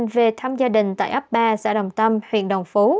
về thăm gia đình tại ấp ba xã đồng tâm huyện đồng phú